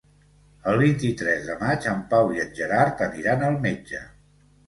El vint-i-tres de maig en Pau i en Gerard aniran al metge.